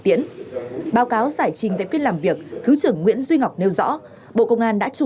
tiễn báo cáo giải trình tại phiên làm việc thứ trưởng nguyễn duy ngọc nêu rõ bộ công an đã chủ